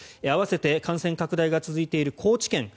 併せて感染拡大が続いている高知県